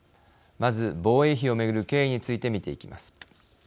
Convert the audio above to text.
まず、防衛費を巡る経緯について見ていきます。